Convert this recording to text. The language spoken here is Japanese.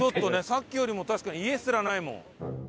さっきよりも確かに家すらないもん。